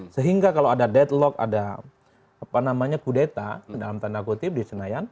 sehingga kalau ada deadlock ada budeta di senayan